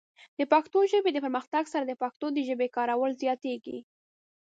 د پښتو ژبې د پرمختګ سره، د پښتنو د ژبې کارول زیاتېږي.